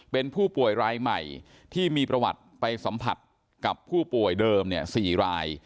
เป็นผู้ป่วยรายใหม่ที่มีประวัติไปสัมผัสกับผู้ป่วยเดิม๔ราย